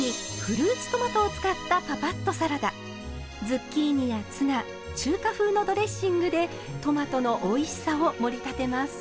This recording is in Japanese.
ズッキーニやツナ中華風のドレッシングでトマトのおいしさをもり立てます。